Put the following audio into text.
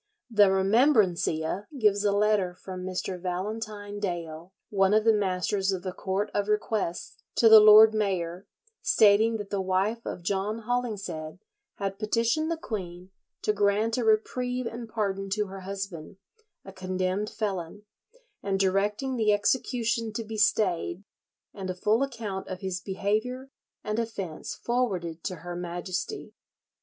"[62:1] The "Remembrancia" gives a letter from Mr. Valentine Dale, one of the masters of the Court of Requests, to the lord mayor, stating that the wife of John Hollingshead had petitioned the queen to grant a reprieve and pardon to her husband, a condemned felon, and directing the execution to be stayed, and a full account of his behaviour and offence forwarded to her Majesty.